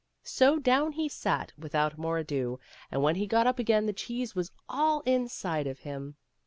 So down he sat without more ado, and when he got up again the cheese was all inside of him.